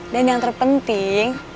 dan yang terpenting